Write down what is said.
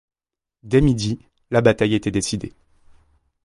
Dès midi, la bataille était décidée.